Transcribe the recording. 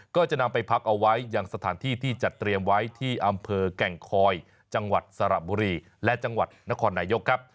ก็จะนำไปพักเอาไว้อย่างสถานที่ที่จัดเตรียมไว้ที่อำเภอแก่งคอยจังหวัดสระบุรีและจังหวัดนครนายกครับ